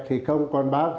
thì không còn bác